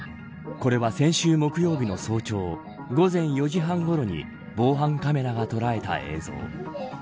これは先週木曜日の早朝午前４時半ごろに防犯カメラが捉えた映像。